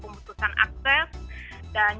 pemutusan akses dan